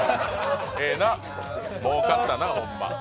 ええな、もうかったな、ホンマ。